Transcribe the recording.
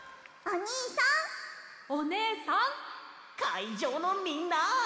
いじょうのみんな！